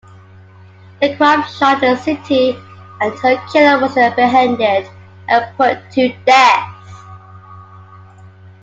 The crime shocked the city and her killer was apprehended and put to death.